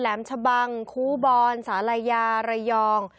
ชะบังคูบอนสาลายาระยอง